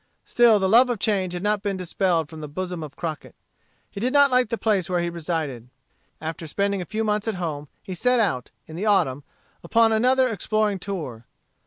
Still the love of change had not been dispelled from the bosom of Crockett. He did not like the place where he resided. After spending a few months at home, he set out, in the autumn, upon another exploring tour.